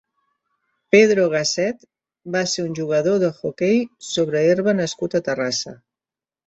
Pedro Gasset va ser un jugador d'hoquei sobre herba nascut a Terrassa.